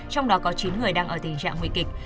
trong đó có chín người đang ở tình trạng nguy kịch